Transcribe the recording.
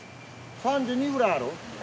３２くらいある？